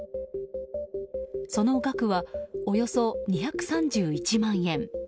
その額は、およそ２３１万円。